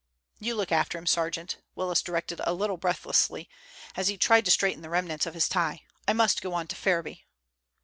"You look after him, sergeant," Willis directed a little breathlessly, as he tried to straighten the remnants of his tie. "I must go on to Ferriby."